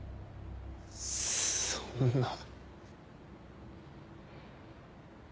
そんな。